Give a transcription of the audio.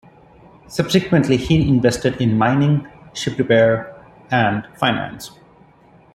Subsequently he invested in mining, ship repair, and finance.